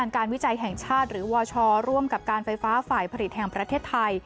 วิจัยแห่งชาติหรือวชร่วมกับการไฟฟ้าฝ่ายผลิตแห่งประเทศไทย